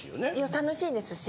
楽しいですし。